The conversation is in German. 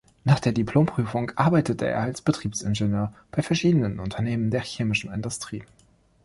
Nach der Diplomprüfung arbeitete er als Betriebsingenieur bei verschiedenen Unternehmen der chemischen Industrie.